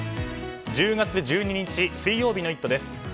１０月１２日水曜日の「イット！」です。